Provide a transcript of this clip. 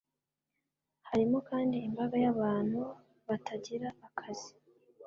Harimo kandi imbaga y’abantu batagira akazi